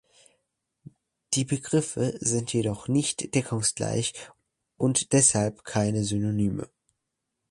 Die Begriffe sind jedoch nicht deckungsgleich und deshalb keine Synonyme.